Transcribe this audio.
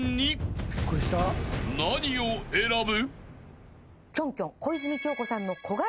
［何を選ぶ？］